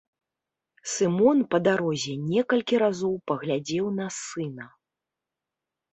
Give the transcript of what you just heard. Сымон па дарозе некалькі разоў паглядзеў на сына.